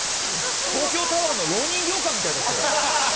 東京タワーのろう人形館みたいだったよ。